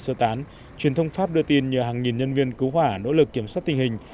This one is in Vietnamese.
sơ tán truyền thông pháp đưa tin nhờ hàng nghìn nhân viên cứu hỏa nỗ lực kiểm soát tình hình